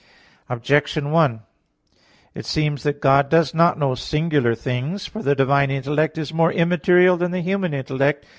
Objection 1: It seems that God does not know singular things. For the divine intellect is more immaterial than the human intellect.